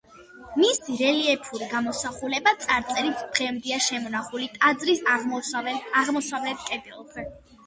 მისი რელიეფური გამოსახულება წარწერით დღემდეა შემონახული ტაძრის აღმოსავლეთ კედელზე.